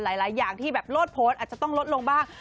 หลายอย่างที่แบบโลดโพสต์อาจจะต้องลดลงบ้าง